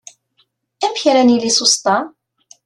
Amek ara nili susṭa?